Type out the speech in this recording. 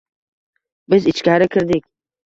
Biz ichkari kirdik